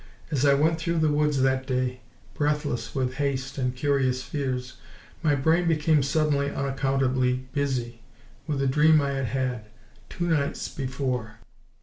As I went through the woods that day, breathless with haste and curious fears, my brain became suddenly, unaccountably busy with a dream I had had, two nights before.